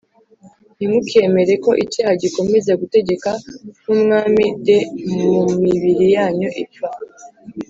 ntimukemere ko icyaha gikomeza gutegeka nk umwami d mu mibiri yanyu ipfa